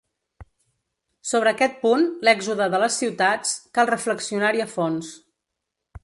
Sobre aquest punt, l’èxode de les ciutats, cal reflexionar-hi a fons.